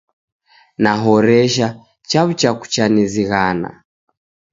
Nahoresha, chaw'ucha kucha nizighana